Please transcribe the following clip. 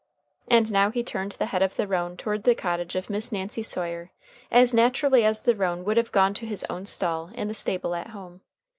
And now he turned the head of the roan toward the cottage of Miss Nancy Sawyer as naturally as the roan would have gone to his own stall in the stable at home.